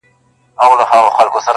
o لمر هم کمزوری ښکاري دلته تل,